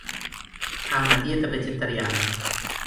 Ha una dieta vegetariana.